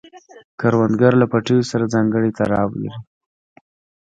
کروندګر له پټیو سره ځانګړی تړاو لري